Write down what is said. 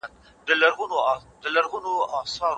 موږ خپل چاپېریال ساتو.